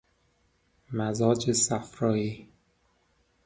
مزاج صفرایی